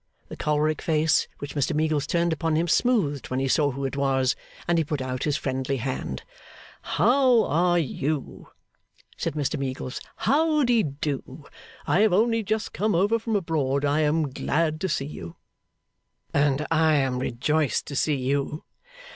The choleric face which Mr Meagles turned upon him smoothed when he saw who it was, and he put out his friendly hand. 'How are you?' said Mr Meagles. 'How d'ye do? I have only just come over from abroad. I am glad to see you.' 'And I am rejoiced to see you.